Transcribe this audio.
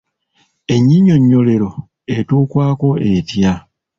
Ennyinyonnyolero etuukwako etya?